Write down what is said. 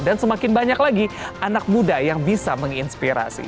dan semakin banyak lagi anak muda yang bisa menginspirasi